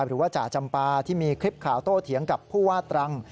หรือว่าจ่าจำปาที่มีคลิปข่าวโต้เถียงกับผู้ว่าตรัง